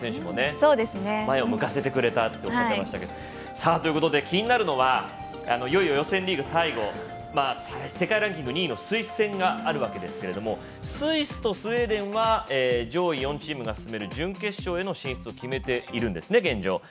藤澤選手も前を向かせてくれたとおっしゃっていましたが気になるのはいよいよ予選リーグ最後世界ランキング２位のスイス戦があるわけですがスイスとスウェーデンは上位４チームが滑る準決勝への進出を決めているんですね、現状。